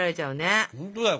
本当だよ。